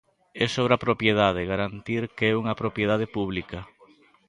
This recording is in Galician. É sobre a propiedade, garantir que é unha propiedade pública.